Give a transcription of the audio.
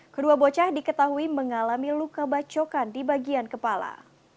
kedua bocah diketahui mengalami luka bacokan di bagian kepala